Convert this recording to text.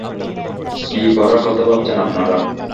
কি করার কথা ভাবছেন আপনারা?